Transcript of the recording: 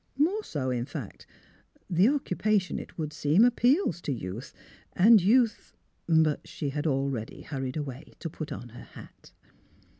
More so, in fact; the occupation it would seem appeals to youth; and youth " But she had already hurried away to put on her hat.